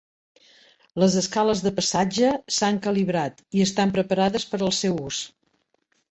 Les escales de pesatge s'han calibrat i estan preparades per al seu ús.